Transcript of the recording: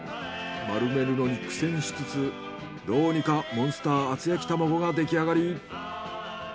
丸めるのに苦戦しつつどうにかモンスター厚焼き玉子が出来上がり。